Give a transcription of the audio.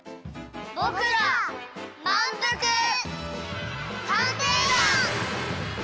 ぼくらまんぷく探偵団！